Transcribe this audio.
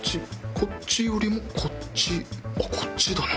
こっちよりもこっちこっちだな！